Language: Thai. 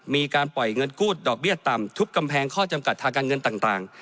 มีการปล่อยเงินกู้ดอกเบี้ยต่ำทุบกำแพงข้อจำกัดทางการเงินต่าง